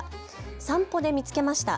散歩で見つけました。